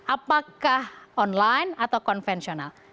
apakah online atau konvensional